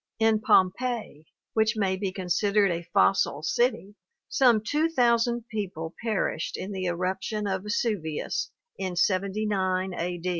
In Pompeii, which may be considered a fossil city, some two thousand people perished in the eruption of Vesuvius in 79 A.